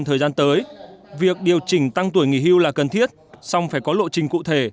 thời gian tới việc điều chỉnh tăng tuổi nghỉ hưu là cần thiết xong phải có lộ trình cụ thể